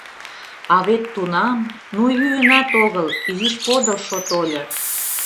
А вет тунам... ну, йӱынат огыл, изиш подылшо тольо...